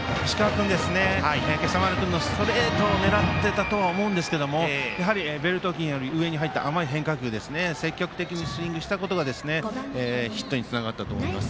今朝丸君のストレートを狙っていたとは思うんですがやはりベルト付近より上に入った甘い変化球に積極的にスイングしたことがヒットにつながったと思います。